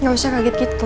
gak usah kaget gitu